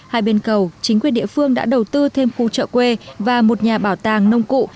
hai bên cầu chính quyền địa phương đã đầu tư thêm khu chợ quê và một nhà bảo tàng nông cụ